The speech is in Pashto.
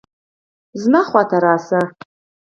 زما خوا ته راشه